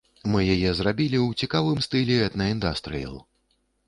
Мы яе зрабілі ў цікавым стылі этна-індастрыел.